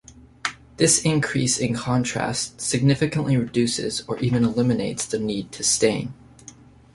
This increase in contrast significantly reduces, or even eliminates the need to stain.